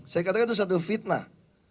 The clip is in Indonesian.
saya katakan itu satu fitnah